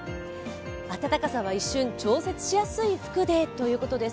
暖かさは一瞬、調節しやすい服でということです。